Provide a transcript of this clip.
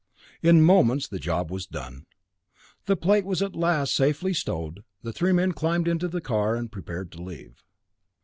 In moments the job was done. The plate at last safely stowed, the three men climbed into the car, and prepared to leave.